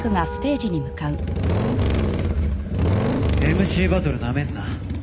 ＭＣバトルなめんな。